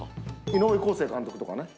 井上康生監督とかね。